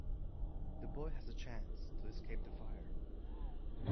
The boy has a chance to escape the fire.